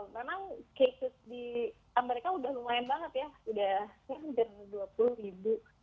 memang cases di amerika sudah lumayan banget ya sudah dua puluh ribu